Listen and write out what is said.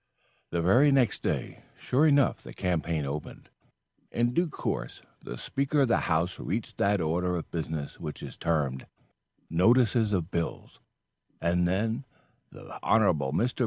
The very next day, sure enough, the campaign opened. In due course, the Speaker of the House reached that Order of Business which is termed "Notices of Bills," and then the Hon. Mr.